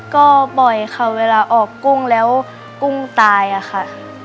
ก็บ่อยค่ะเวลาออกกุ้งแล้วกุ้งตายอะค่ะ